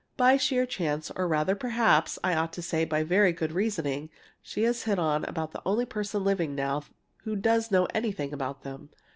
By sheer chance, or rather, perhaps, I ought to say by very good reasoning, she has hit on about the only person living now who does know anything about them!